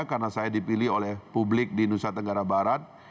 karena saya dipilih oleh publik di nusa tenggara barat